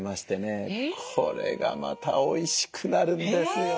これがまたおいしくなるんですよ。